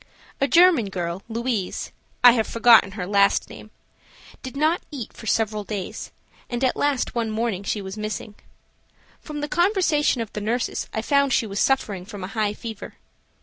A German girl, Louise–I have forgotten her last name–did not eat for several days and at last one morning she was missing. From the conversation of the nurses I found she was suffering from a high fever.